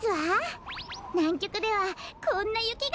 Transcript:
なんきょくではこんなゆきがふるんです！